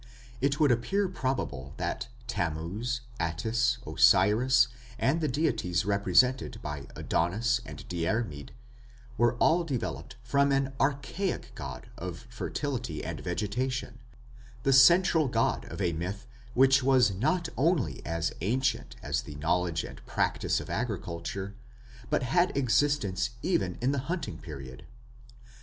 It would appear probable that Tammuz, Attis, Osiris, and the deities represented by Adonis and Diarmid were all developed from an archaic god of fertility and vegetation, the central figure of a myth which was not only as ancient as the knowledge and practice of agriculture, but had existence even in the "Hunting Period".